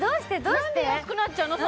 何で安くなっちゃうの？